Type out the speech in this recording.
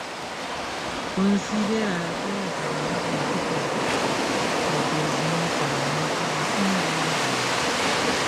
Konsiderata la kvara poeto-profeto, reprezentanto de simbola dramo.